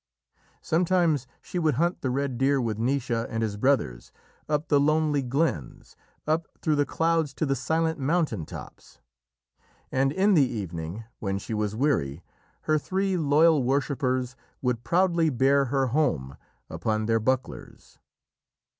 Sometimes she would hunt the red deer with Naoise and his brothers, up the lonely glens, up through the clouds to the silent mountain tops, and in the evening, when she was weary, her three loyal worshippers would proudly bear her home upon their bucklers.